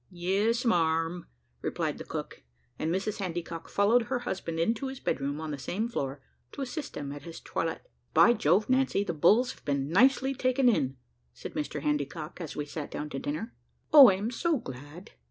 "Yes, marm," replied the cook; and Mrs Handycock followed her husband into his bedroom on the same floor, to assist him at his toilet. "By Jove, Nancy, the bulls have been nicely taken in," said Mr Handycock, as we sat down to dinner. "O I am so glad!"